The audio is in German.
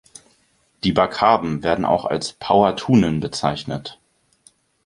Die Bacaben werden auch als „Pauahtunen“ bezeichnet.